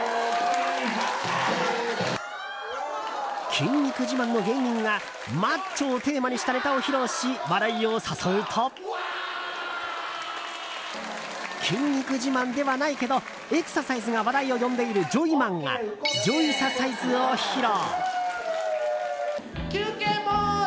筋肉自慢の芸人がマッチョをテーマにしたネタを披露し話題を誘うと筋肉自慢ではないけどエクササイズが話題を呼んでいるジョイマンがジョイササイズを披露。